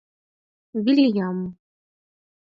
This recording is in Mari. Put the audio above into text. Вилйам...